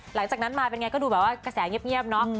หลังจากนั้นมาเป็นไงก็ดูแบบว่ากระแสเงียบเนอะ